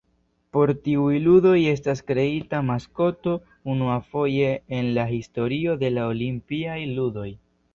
Por tiuj ludoj estas kreita maskoto unuafoje en la historio de la Olimpiaj ludoj.